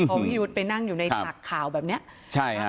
พอพี่ยุทธ์ไปนั่งอยู่ในฉากข่าวแบบเนี้ยใช่ฮะ